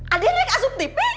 aden kamu mau di tv